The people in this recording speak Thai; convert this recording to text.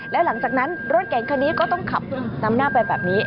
และหลังจากนั้นรถเก่งคันนี้ก็ต้องขับนำหน้าไปแบบนี้